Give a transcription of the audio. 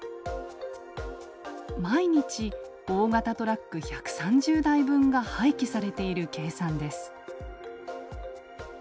毎日大型トラック１３０台分が廃棄されている計算です。